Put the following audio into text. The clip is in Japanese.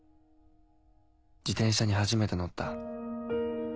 自転車に初めて乗った。